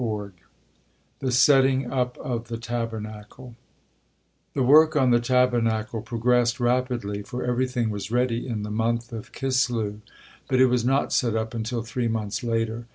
THE SETTING UP OF THE TABERNACLE The work on the Tabernacle progressed rapidly, for everything was ready in the month of Kislew, but it was not set up until three months later.